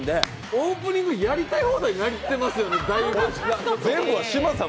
オープニング、やりたい放題やってますね。